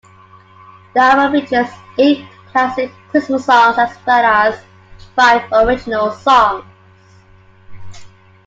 The album features eight classic Christmas songs as well as five original songs.